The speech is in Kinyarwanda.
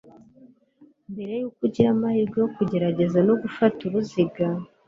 mbere yuko ugira amahirwe yo kugerageza no gufata uruziga